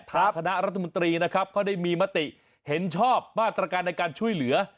ทางคณะรัฐมนตรีนะครับเขาได้มีมติเห็นชอบมาตรการในการช่วยเหลือ